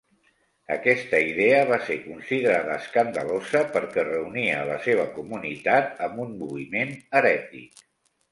Aquesta idea va ser considerada escandalosa perquè reunia la seva comunitat amb un moviment herètic.